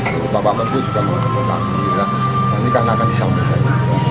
bapak bapak itu juga mau kembali ini karena akan disambung